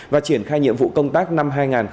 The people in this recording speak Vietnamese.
và triển khai nhiệm vụ công tác năm hai nghìn hai mươi